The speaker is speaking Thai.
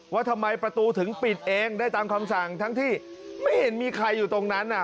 ว่าทำไมประตูถึงปิดเองได้ตามคำสั่งทั้งที่ไม่เห็นมีใครอยู่ตรงนั้นน่ะ